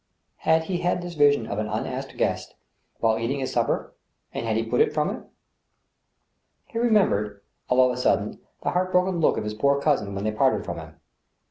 Had he had this vision of an unasked guest while eating his sup per, ... and had he put it from him ? He remembered, all of a sudden, the heart broken look of his poor cousin when he parted from him.